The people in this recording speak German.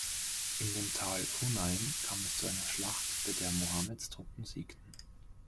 In dem Tal Hunain kam es zu einer Schlacht, bei der Mohammeds Truppen siegten.